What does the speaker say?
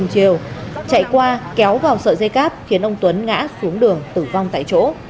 chạy qua kéo vào sợi dây cáp khiến ông tuấn ngã xuống đường tử vong tại chỗ